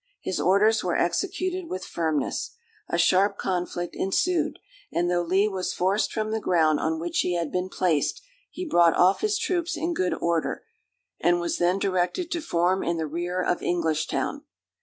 His orders were executed with firmness. A sharp conflict ensued; and though Lee was forced from the ground on which he had been placed, he brought off his troops in good order, and was then directed to form in the rear of Englishtown.